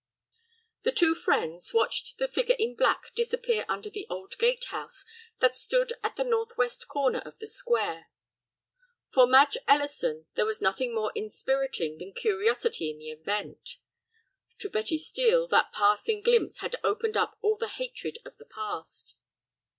The two friends watched the figure in black disappear under the old gate house that stood at the northwest corner of the square. For Madge Ellison there was nothing more inspiriting than curiosity in the event. To Betty Steel that passing glimpse had opened up all the hatred of the past.